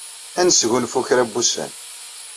Ad nesgunfu kra n wussan.